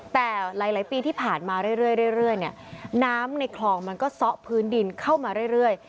แต่หลายหลายปีที่ผ่านมาเรื่อยเรื่อยเรื่อยเนี่ยน้ำในคลองมันก็ซะพื้นดินเข้ามาเรื่อยเรื่อย